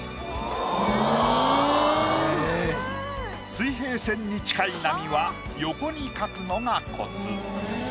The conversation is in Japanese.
水平線に近い波は横に描くのがコツ。